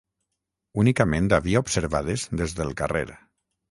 ...únicament havia observades des del carrer;